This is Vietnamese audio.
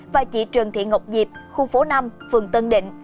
và chị trần thị ngọc diệp khu phố năm phường tân định